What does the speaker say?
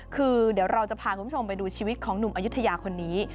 คือเดี๋ยวเราจะพาคุณผู้ชมไปดูชีวิตของหนุ่มอายุทยาคนนี้